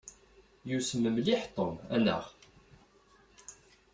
Yussem mliḥ Tom, anaɣ?